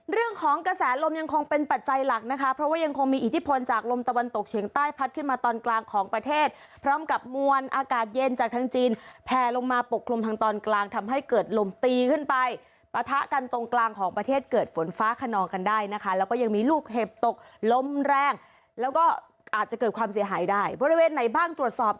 เรื่องของกระแสลมยังคงเป็นปัจจัยหลักนะคะเพราะว่ายังคงมีอิทธิพลจากลมตะวันตกเฉียงใต้พัดขึ้นมาตอนกลางของประเทศพร้อมกับมวลอากาศเย็นจากทางจีนแพลลงมาปกคลุมทางตอนกลางทำให้เกิดลมตีขึ้นไปปะทะกันตรงกลางของประเทศเกิดฝนฟ้าขนองกันได้นะคะแล้วก็ยังมีลูกเห็บตกลมแรงแล้วก็อาจจะเกิดความเสียหายได้บริเวณไหนบ้างตรวจสอบ